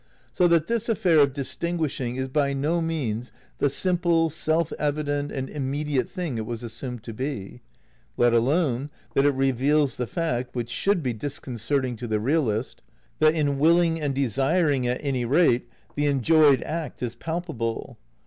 So that this affair of distinguishing is by no means the simple, self evident and immediate thing it was assumed to be ; let alone that it reveals the fact (which should be dis concerting to the realist) that in willing and desiring at any rate, "the enjoyed act is palpable."